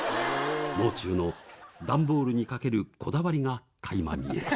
もう中の段ボールにかけるこだわりがかいま見える。